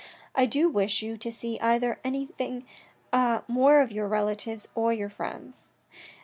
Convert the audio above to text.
I do not wish you to see either anything more of your relatives or your friends.